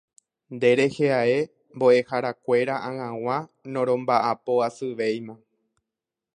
Nderehe ae mbo'eharakuéra ag̃agua noromba'apo asyvéima